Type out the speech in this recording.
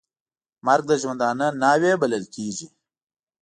مرګ د ژوندانه ناوې بلل کېږي .